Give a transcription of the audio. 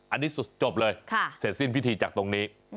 อันนี้สุดจบเลยเสร็จสิ้นพิธีจากตรงนี้